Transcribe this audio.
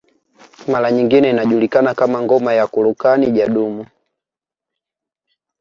Mara nyingine inajulikana kama ngoma ya kurukan Jadumu